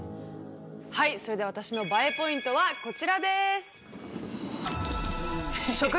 はいそれでは私のＢＡＥポイントはこちらです。